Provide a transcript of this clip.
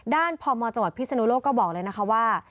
ด้านพมจพิศนุโลก็บอกเลยว่า